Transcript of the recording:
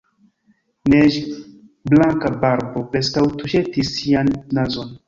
Neĝblanka barbo preskaŭ tuŝetis ŝian nazon.